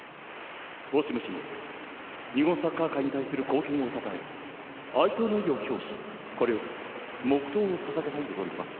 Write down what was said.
オシム氏の日本サッカー界に対する、貢献をたたえ哀悼の意を表し、これより黙祷を捧げたいと存じます。